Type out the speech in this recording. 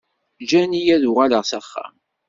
Ǧǧan-iyi ad uɣaleɣ s axxam.